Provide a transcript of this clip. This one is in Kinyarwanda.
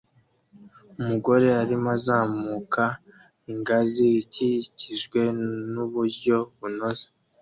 Umugore arimo azamuka ingazi ikikijwe nuburyo bunoze